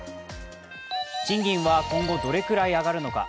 賃金は今後どれくらい上がるのか。